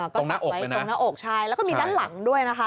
ก็ปักไว้ตรงหน้าอกใช่แล้วก็มีด้านหลังด้วยนะคะ